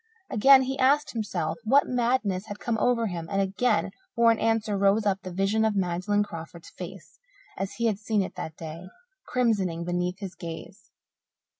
Again he asked himself what madness had come over him, and again for an answer rose up the vision of Magdalen Crawford's face as he had seen it that day, crimsoning beneath his gaze.